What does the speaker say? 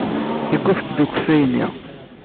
Yekkuffet-d ukeffay-nni.